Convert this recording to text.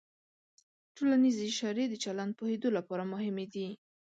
ټولنیز اشارې د چلند پوهېدو لپاره مهمې دي.